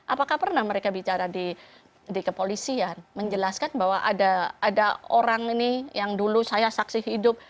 apakah pernah mereka bicara di kepolisian menjelaskan bahwa ada orang ini yang dulu saya saksi hidup